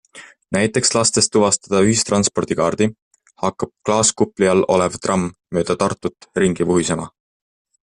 Näiteks lastes tuvastada ühistranspordikaardi, hakkab klaaskupli all olev tramm mööda Tartut ringi vuhisema.